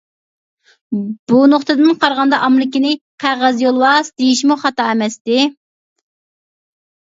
بۇ نۇقتىدىن قارىغاندا ئامېرىكىنى «قەغەز يولۋاس» دېيىشمۇ خاتا ئەمەستى.